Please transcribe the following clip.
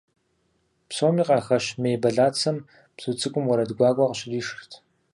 Псоми къахэщ мей бэлацэм бзу цӀыкӀум уэрэд гуакӀуэ къыщришырт.